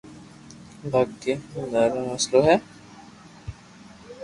باقي ٿارو مسلئ ھي